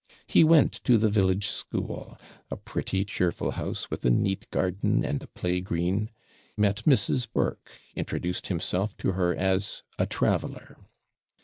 He went to the village school a pretty, cheerful house, with a neat garden and a play green; met Mrs. Burke; introduced himself to her as a traveller.